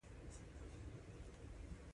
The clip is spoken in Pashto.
زموږ څلور خواوې یې را محاصره کړلې.